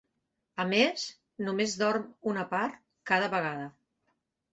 A més, només dorm una part cada vegada.